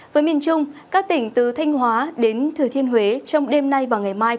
với miền trung các tỉnh từ thanh hóa đến thừa thiên huế trong đêm nay và ngày mai